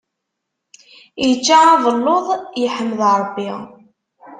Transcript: Ičča abelluḍ, yeḥmed Ṛebbi.